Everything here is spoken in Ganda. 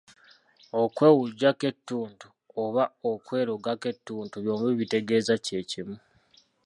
Okwewujjako ettuntu oba okwerogako ettuntu byombi bitegeeza kye kimu.